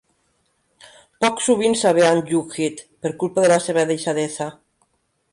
Poc sovint s'avé amb en Jughead, per culpa de la seva deixadesa.